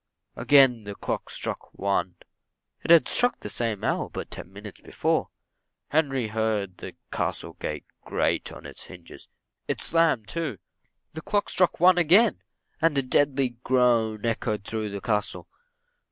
Again the clock struck one it had struck the same hour but ten minutes before. Henry heard the castle gate grate on its hinges it slammed too the clock struck one again and a deadly groan echoed through the castle.